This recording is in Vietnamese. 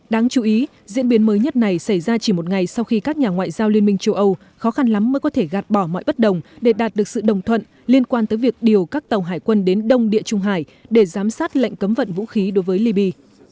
đáng chú ý diễn biến mới nhất này xảy ra chỉ một ngày sau khi các nhà ngoại giao liên minh châu âu khó khăn lắm mới có thể gạt bỏ mọi bất đồng để đạt được sự đồng thuận liên quan tới việc điều các tàu hải quân đến đông địa trung hải để giám sát lệnh cấm vận vũ khí đối với libya